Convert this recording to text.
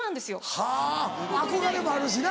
はぁ憧れもあるしな。